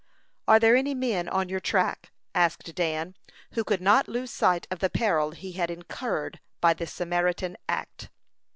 "Are there any men on your track?" asked Dan, who could not lose sight of the peril he had incurred by this Samaritan act.